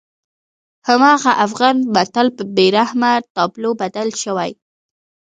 هماغه افغان متل په بېرحمه تابلو بدل شوی.